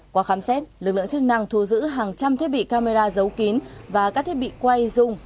qua khám xét lực lượng chức năng thu giữ hàng trăm thiết bị camera giấu kín và các thiết bị quay dung